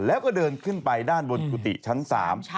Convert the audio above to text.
แล้วก็เดินขึ้นไปด้านบนกุฏิชั้นสาม